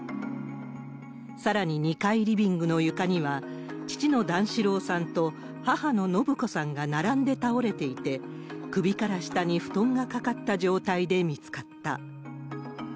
さらに２階リビングの床には、父の段四郎さんと母の延子さんが並んで倒れていて、首から下に布団が掛かった状態で見つかった。